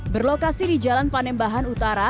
berlokasi di jalan panembahan utara